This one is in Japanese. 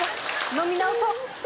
飲み直そう。